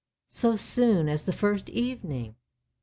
" So soon as the first evening!